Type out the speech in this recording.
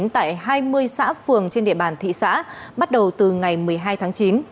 tại hai mươi xã phường trên địa bàn thị xã bắt đầu từ ngày một mươi hai tháng chín